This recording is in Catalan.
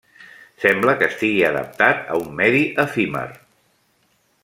Sembla que estigui adaptat a un medi efímer.